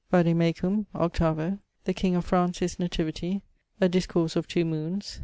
Vade Mecum, 8vo. The King of France his nativity. A discourse of two moones.